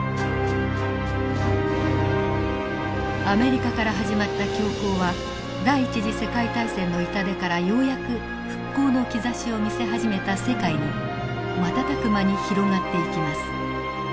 アメリカから始まった恐慌は第一次世界大戦の痛手からようやく復興の兆しを見せ始めた世界に瞬く間に広がっていきます。